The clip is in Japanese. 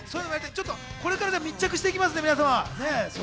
ちょっとこれから密着してきますね。